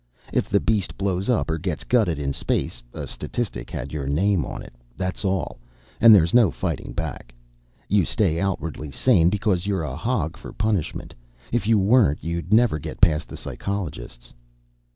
If the beast blows up or gets gutted in space, a statistic had your name on it, that's all, and there's no fighting back. You stay outwardly sane because you're a hog for punishment; if you weren't, you'd never get past the psychologists.